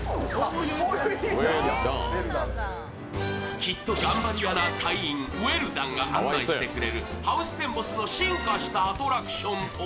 きっと頑張り屋な隊員ウェルダンが案内してくれるハウステンボスの進化したアトラクションとは？